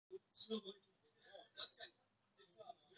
やりたいようにやる